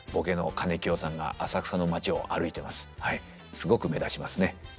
すごく目立ちますね。